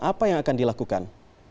apa yang akan dilakukan